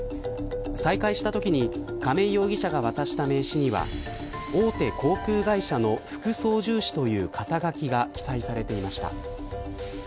再会したときに亀井容疑者が渡した名刺には大手航空会社の副操縦士という肩書きが記載されていました。